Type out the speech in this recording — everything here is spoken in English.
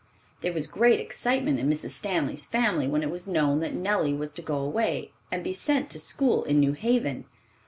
There was great excitement in Mrs. Stanley's family when it was known that Nellie was to go away and be sent to school in New Haven.